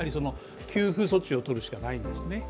給付措置をとるしかないんですよね。